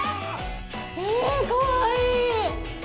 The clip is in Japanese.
えかわいい！